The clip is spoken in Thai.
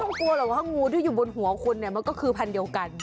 กลัวหรอกว่างูที่อยู่บนหัวคุณเนี่ยมันก็คือพันธุ์เดียวกัน